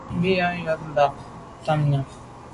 Bù à’ yə́n yúp mbɑ̂ bǎ tǎmnyɔ̀ŋ.